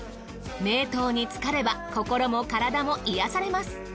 名湯につかれば心も体も癒やされます。